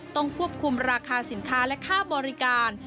ต้องควบคุมราคาสินค้าและค่าบริการ